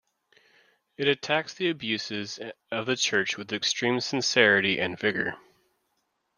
It attacks the abuses of the Church with extreme sincerity and vigour.